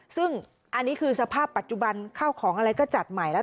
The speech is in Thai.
ซึ่งอันนี้คือสภาพปัจจุบันข้าวของอะไรก็จัดใหม่แล้ว